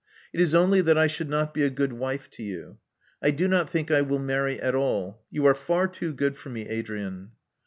It is only that I should not be a good wife to you. I do not think I will marry at all. You are far too good for me, Adrian."